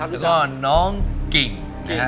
แล้วก็น้องกิ่งนะฮะ